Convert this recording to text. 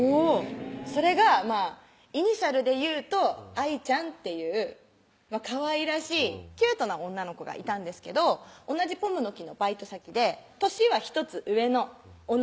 それがイニシャルで言うとＩちゃんっていうかわいらしいキュートな女の子がいたんですけど同じポムの樹のバイト先で歳は１つ上の女の子だったんですよね